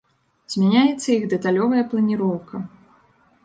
Змяняецца іх дэталёвая планіроўка.